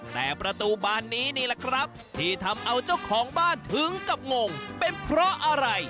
แต่ประตูบานนี้นี่แหละครับที่ทำเอาเจ้าของบ้านถึงกับงงเป็นเพราะอะไร